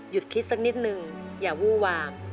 คิดสักนิดนึงอย่าวู้วาง